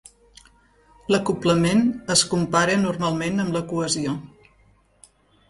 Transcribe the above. L'acoblament es compara normalment amb la cohesió.